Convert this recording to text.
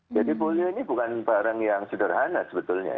jadi polio ini bukan barang yang sederhana sebetulnya ya